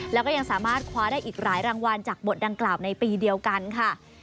แล้วก็ยังสามารถคว้าได้อีกหลายรางวัลจากบทดังกล่าวในปีเดียวกันค่ะ